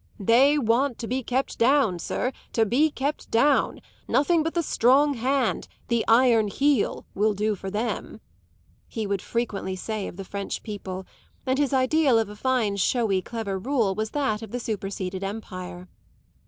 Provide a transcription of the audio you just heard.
"They want to be kept down, sir, to be kept down; nothing but the strong hand the iron heel will do for them," he would frequently say of the French people; and his ideal of a fine showy clever rule was that of the superseded Empire.